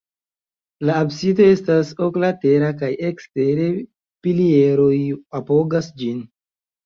La absido estas oklatera kaj ekstere pilieroj apogas ĝin.